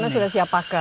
karena sudah siap pakai